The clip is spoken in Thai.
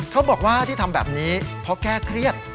เขาบอกว่าที่ทำแบบนี้เพราะแก้เครียด